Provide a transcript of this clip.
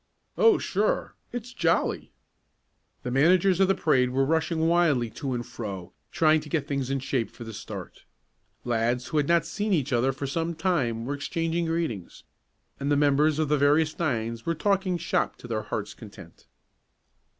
"Oh, sure. It's jolly." The managers of the parade were rushing wildly to and fro, trying to get things in shape for the start. Lads who had not seen each other for some time were exchanging greetings, and the members of the various nines were talking "shop" to their hearts' content.